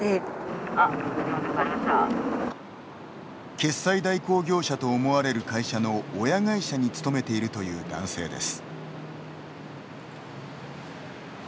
決済代行業者と思われる会社の親会社に勤めているという男性です。